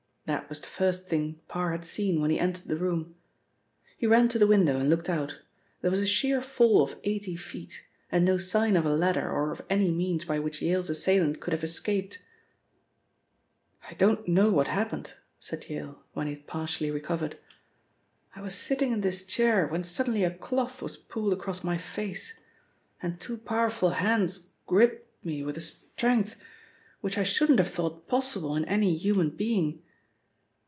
That was the first thing Parr had seen when he entered the room. He ran to the window, and looked out. There was a sheer fall of eighty feet, and no sign of a ladder or of any means by which Yale's assailant could have escaped. "I don't know what happened," said Yale, when he had partially recovered. "I was sitting in this chair when suddenly a cloth was pulled across my face, and two powerful hands gripped me with a strength which I shouldn't have thought possible in any human being.